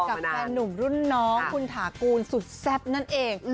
แฟนหนุ่มรุ่นน้องคุณถากูลสุดแซ่บนั่นเอง